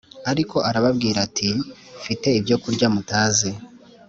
Ariko arababwira ati m te ibyokurya mutazi